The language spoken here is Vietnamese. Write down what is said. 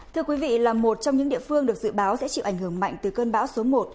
thưa quý vị là một trong những địa phương được dự báo sẽ chịu ảnh hưởng mạnh từ cơn bão số một